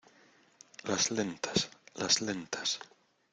las lentas. las lentas .